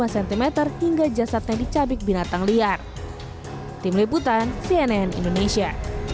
lima cm hingga jasadnya dicabik binatang liar tim liputan cnn indonesia